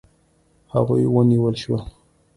هغوی ونیول شول.